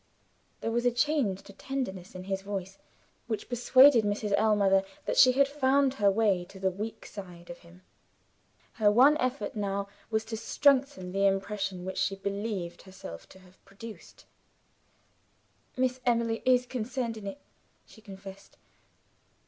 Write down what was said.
There was a change to tenderness in his voice, which persuaded Mrs. Ellmother that she had found her way to the weak side of him. Her one effort now was to strengthen the impression which she believed herself to have produced. "Miss Emily is concerned in it," she confessed.